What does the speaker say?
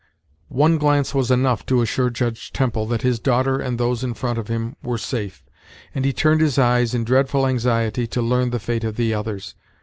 One glance was enough to assure Judge Temple that his daughter and those in front of him were safe, and he turned his eyes, in dreadful anxiety, to learn the fate of the others.